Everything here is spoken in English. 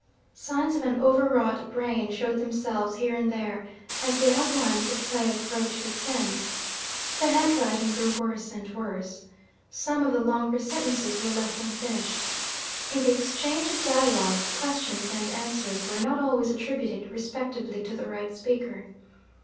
Signs of an overwrought brain showed themselves, here and there, as the outline of the play approached its end. The handwriting grew worse and worse. Some of the longer sentences were left unfinished. In the exchange of dialogue, questions and answers were not always attributed respectively to the right speaker.